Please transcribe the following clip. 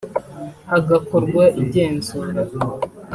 hagakorwa igenzura